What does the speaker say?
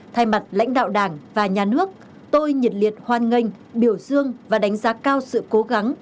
thay mặt lãnh đạo đảng và nhà nước tôi nhiệt liệt hoan nghênh biểu dương và đánh giá cao sự cố gắng